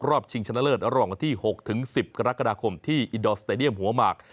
รอบชิงชนะเลิศรองที่๖๑๐กรกฎาคมที่อินดอลสเตดียมหัวมาก